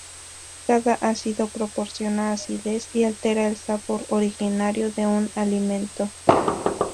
Cada ácido proporciona acidez y altera el sabor originario de un alimento.